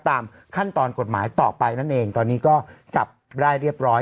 ตามขั้นตอนกฎหมายต่อไปนั่นเองตอนนี้ก็จับได้เรียบร้อย